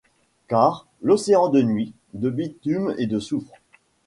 Car, l’océan de nuit, de bitume et de soufre